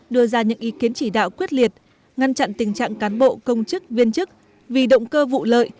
đưa ra những ý kiến chỉ đạo quyết liệt ngăn chặn tình trạng cán bộ công chức viên chức vì động cơ vụ lợi